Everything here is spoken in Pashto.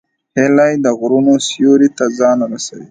هیلۍ د غرونو سیوري ته ځان رسوي